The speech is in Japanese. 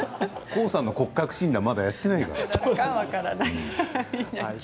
ＤＪＫＯＯさんの骨格診断はまだやっていないから。